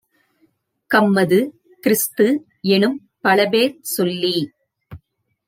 கம்மது, கிறிஸ்து-எனும் பலபேர் சொல்லிச்